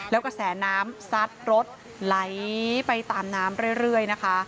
แล้วกระแสน้ำซัดรถไหลไปตามน้ำเรื่อยนะคะ